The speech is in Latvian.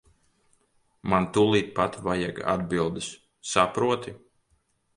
Man tūlīt pat vajag atbildes, saproti.